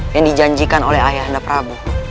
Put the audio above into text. yang dijanjikan oleh ayah anda prabu